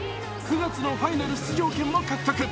９月のファイナル出場権も獲得。